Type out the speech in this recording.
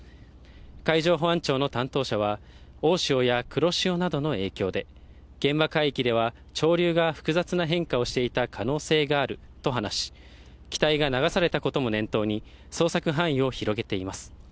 海上保安庁の担当者は大潮や黒潮などの影響で、現場海域では潮流が複雑な変化をしていた可能性があると話し、機体が流されたことも念頭に捜索範囲を広げています。